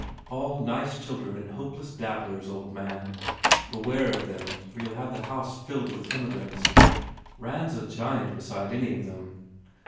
"All nice children and hopeless dabblers, old man. Beware of them or you ll have the house filled with immigrants. Rand s a giant beside any of them."